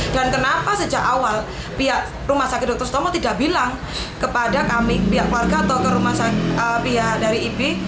dan kenapa sejak awal pihak rumah sakit dr sutomo tidak bilang kepada kami pihak keluarga atau pihak dari ibi